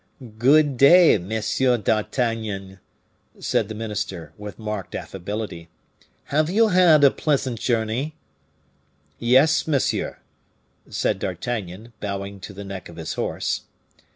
"Good day, Monsieur d'Artagnan," said the minister, with marked affability, "have you had a pleasant journey?" "Yes, monsieur," said D'Artagnan, bowing to the neck of his horse.